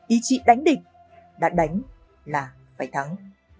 ý chí đánh địch đã đánh là phải thắng